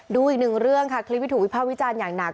ดูอีกหนึ่งเรื่องค่ะคลิปที่ถูกวิภาควิจารณ์อย่างหนัก